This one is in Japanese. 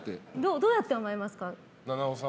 どうやって甘えますか？